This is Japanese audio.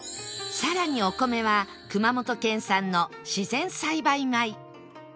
さらにお米は熊本県産の自然栽培米